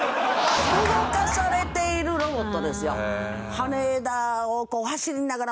動かされているロボットですよ。